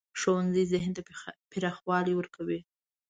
ښوونځی ذهن ته پراخوالی ورکوي